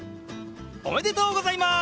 おめでとうございます！